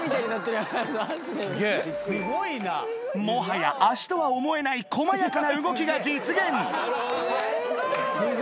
もはや足とは思えない細やかな動きが実現